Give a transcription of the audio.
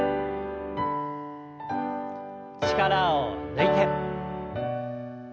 力を抜いて。